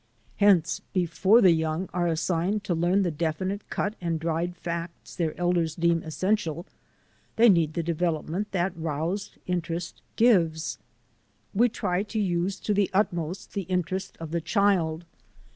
Hence, before the young are assigned to learn the definite cut and dried facts their elders deem essential, they need the development that roused interest gives. We try to use to the utmost the interest of the child.